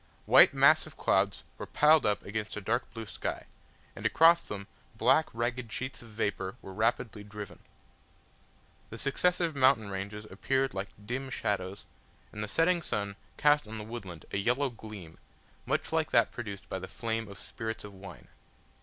White massive clouds were piled up against a dark blue sky, and across them black ragged sheets of vapour were rapidly driven. The successive mountain ranges appeared like dim shadows, and the setting sun cast on the woodland a yellow gleam, much like that produced by the flame of spirits of wine.